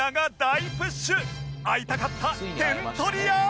会いたかった点取り屋